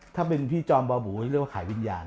ถ้าเป็นพี่จอมบาบูนี่เรียกว่าขายวิญญาณ